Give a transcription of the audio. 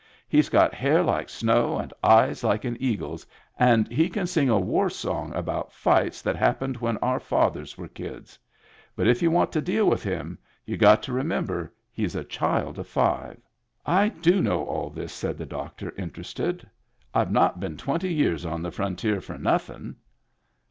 He's got hair like snow and eyes like an eagle's and he can sing a war song about fights that hap pened when our fathers were kids. But if you want to deal with him, you got to remember he's a child of five." " I do know all this," said the doctor, interested. " I've not been twenty years on the frontier for nothing."